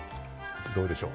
どうでしょう？